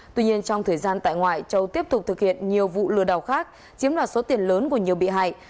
tuy nhiên trong thời gian tại ngoại châu tiếp tục thực hiện nhiều vụ lừa đảo khác chiếm đoạt số tiền lớn của nhiều bị hại